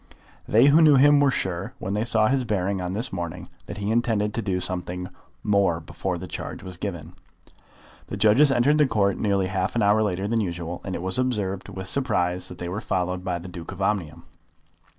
They who knew him were sure, when they saw his bearing on this morning, that he intended to do something more before the charge was given. The judges entered the Court nearly half an hour later than usual, and it was observed with surprise that they were followed by the Duke of Omnium.